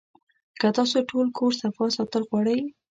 کۀ تاسو ټول کور صفا ساتل غواړئ